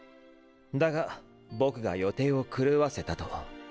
だが僕が予定を狂わせたと。